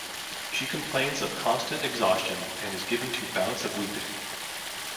She complains of constant exhaustion and is given to bouts of weeping.